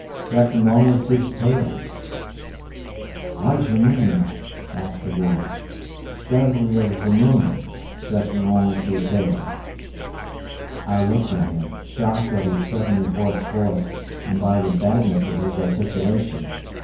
"Se'nd on'y to the 'tato." "Whajer mean?" asked Cavor. "'Scovery of the moon—se'nd on'y to the tato?" I looked at him, shocked at his suddenly hoarse voice, and by the badness of his articulation.